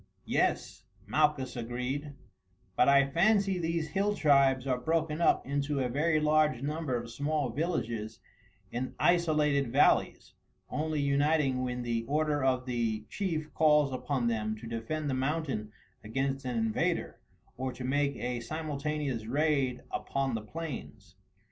"Yes," Malchus agreed, "but I fancy these hill tribes are broken up into a very large number of small villages in isolated valleys, only uniting when the order of the chief calls upon them to defend the mountains against an invader, or to make a simultaneous raid upon the plains."